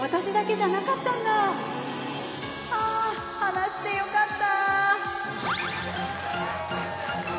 ああ、話してよかった！